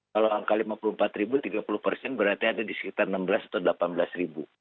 kalau angka lima puluh empat ribu tiga puluh persen berarti ada di sekitar enam belas atau delapan belas ribu